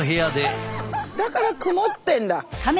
だから曇ってんだ。